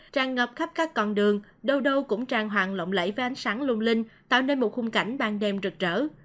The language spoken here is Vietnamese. tràn ngập khắp các con đường đâu đâu cũng tràn hoàng lộng lẫy với ánh sáng lung linh tạo nên một khung cảnh ban đêm rực rỡ